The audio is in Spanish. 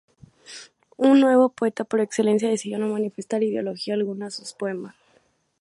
Un "nuevo poeta" por excelencia, decidió no manifestar ideología alguna en sus poemas.